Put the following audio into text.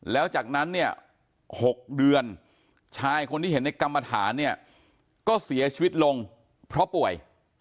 แล้วจากนั้นเนี่ย๖เดือนชายคนที่เห็นในกรรมฐานเนี่ยก็เสียชีวิตลงเพราะป่วย